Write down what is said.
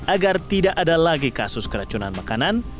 agar tidak ada lagi kasus keracunan makanan